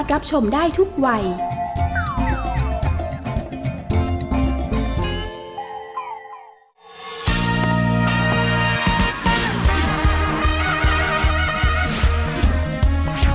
เพื่อรู้ตัวละ